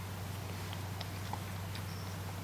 井栏边草为凤尾蕨科凤尾蕨属下的一个种。